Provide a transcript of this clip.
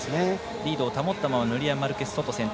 リードを保ったままヌリア・マルケスソト、先頭。